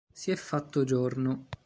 Si è fatto giorno.